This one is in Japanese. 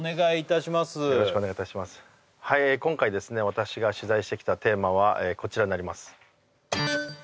今回私が取材してきたテーマはこちらになります